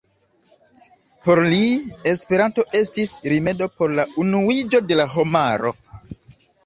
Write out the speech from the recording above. Por li Esperanto estis rimedo por la unuiĝo de la homaro.